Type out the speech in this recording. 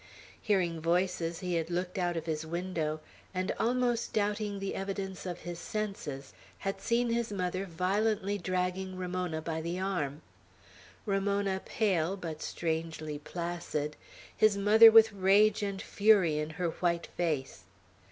Hearing voices, he had looked out of his window, and, almost doubting the evidence of his senses, had seen his mother violently dragging Ramona by the arm, Ramona pale, but strangely placid; his mother with rage and fury in her white face.